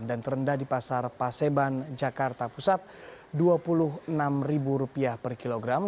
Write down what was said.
dan terendah di pasar paseban jakarta pusat rp dua puluh enam per kilogram